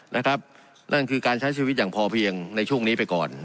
นั่นคือการใช้ชีวิตอย่างพอเพียงในช่วงนี้ไปก่อน